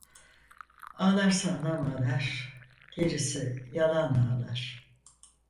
Ağlarsa anam ağlar, gerisi yalan ağlar.